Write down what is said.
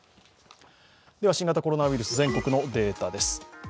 新型コロナウイルス全国のデータです。